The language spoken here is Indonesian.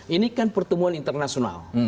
ini kan pertemuan internasional